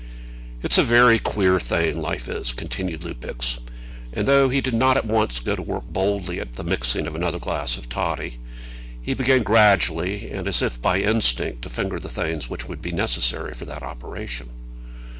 "It's a very queer thing, life is," continued Lupex; and, though he did not at once go to work boldly at the mixing of another glass of toddy, he began gradually, and as if by instinct, to finger the things which would be necessary for that operation.